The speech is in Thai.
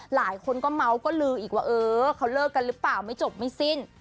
หลายคนก็เมาส์ก็ลืออีกว่าเออเขาเลิกกันหรือเปล่าไม่จบไม่สิ้น